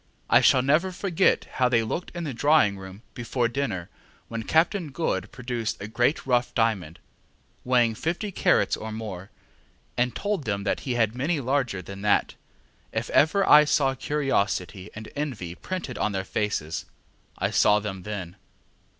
I shall never forget how they looked in the drawing room before dinner when Captain Good produced a great rough diamond, weighing fifty carats or more, and told them that he had many larger than that. If ever I saw curiosity and envy printed on fair faces, I saw them then.